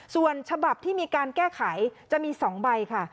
ส่วนฉบับที่มีการแก้ไขจะมี๒ใบค่ะ